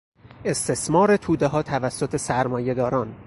استثمار تودهها توسط سرمایه داران